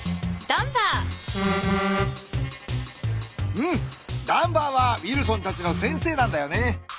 ダンバーはウィルソンたちの先生なんだよね。